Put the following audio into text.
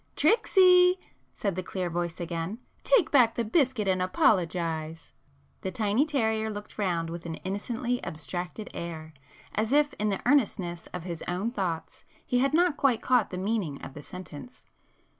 "Tricksy!" said the clear voice again—"Take back the biscuit and apologise!" The tiny terrier looked round with an innocently abstracted air, as if in the earnestness of his own thoughts, he had not quite caught the meaning of the sentence.